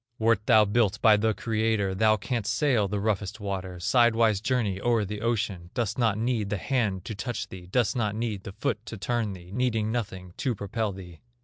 Wert thou built by the Creator, Thou canst sail the roughest waters, Sidewise journey o'er the ocean; Dost not need the hand to touch thee, Dost not need the foot to turn thee, Needing nothing to propel thee."